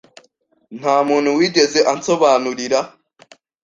Nta muntu wigeze ansobanurira